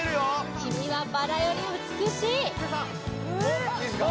「君は薔薇より美しい」いいすか？